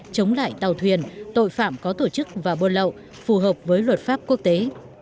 chống lại tàu thuyền tội phạm có tổ chức và buôn lậu phù hợp với luật pháp quốc tế